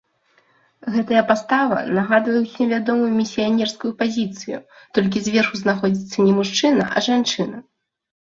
Гэтая пастава нагадвае ўсім вядомую місіянерскую пазіцыю, толькі зверху знаходзіцца не мужчына, а жанчына.